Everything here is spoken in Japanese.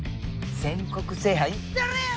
全国制覇いったれや！